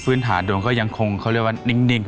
ฐานดวงก็ยังคงเขาเรียกว่านิ่ง